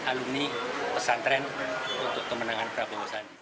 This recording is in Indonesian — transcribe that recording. alumni pesantren untuk kemenangan prabowo sandi